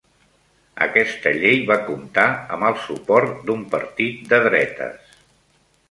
Aquesta llei va comptar amb el suport d'un partit de dretes.